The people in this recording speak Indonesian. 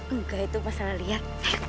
enggak itu masalah liat